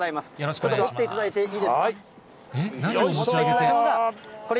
ちょっと持っていただいていいですか。